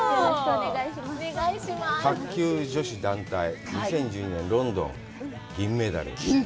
卓球女子団体、２０１２年ロンドン、銀メダル。